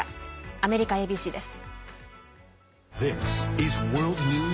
アメリカＡＢＣです。